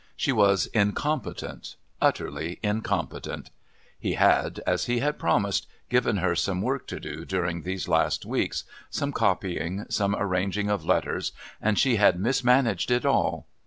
She was incompetent, utterly incompetent. He had, as he had promised, given her some work to do during these last weeks, some copying, some arranging of letters, and she had mismanaged it all.